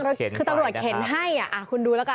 นั่งรถเข็นไปนะครับคือตำรวจเข็นให้อ่ะคุณดูแล้วกัน